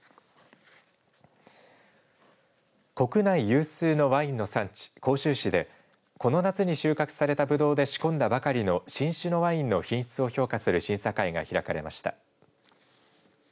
国内有数のワインの産地、甲州市で、この夏に収穫されたぶどうで仕込んだばかりの新酒のワインの品質を評価する審査会が開かれました。